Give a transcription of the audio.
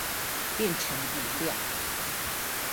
變成語料